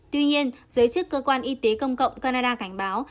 tuy nhiên giới chức cơ quan y tế công cộng canada cảnh báo